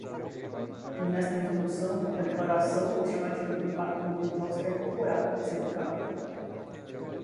Nesta resolução, a declaração ou estimativa de impacto ambiental será incorporada, se aplicável.